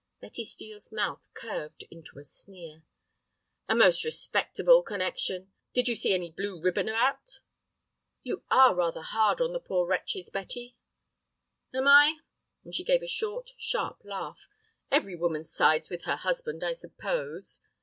Betty Steel's mouth curved into a sneer. "A most respectable connection. Did you see any blue ribbon about?" "You are rather hard on the poor wretches, Betty." "Am I?" and she gave a short, sharp laugh; "every woman sides with her husband—I suppose.